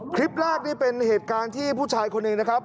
คลิปแรกนี่เป็นเหตุการณ์ที่ผู้ชายคนหนึ่งนะครับ